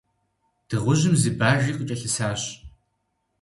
Дыгъужьым зы Бажи къыкӀэлъысащ.